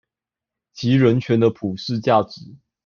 及人權的普世價值